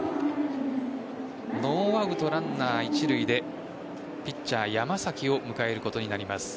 ノーアウトランナー一塁でピッチャー・山崎を迎えることになります。